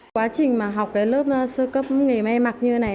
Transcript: quá trình mà học lớp sơ cấp nghề mê mặc như thế này